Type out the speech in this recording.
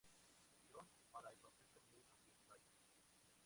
John para el papel femenino principal.